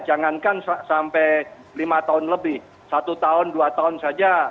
jangankan sampai lima tahun lebih satu tahun dua tahun saja